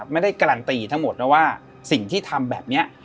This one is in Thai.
ไม่ได้การันตีทั้งหมดนะว่าสิ่งที่ทำแบบนี้